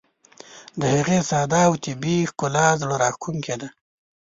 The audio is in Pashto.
د هغې ساده او طبیعي ښکلا زړه راښکونکې ده.